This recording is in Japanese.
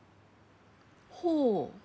ほう。